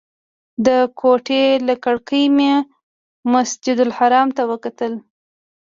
د کوټې له کړکۍ مې مسجدالحرام ته وکتل.